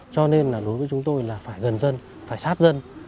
cho nên là đối với chúng tôi là phải gần dân phải sát dân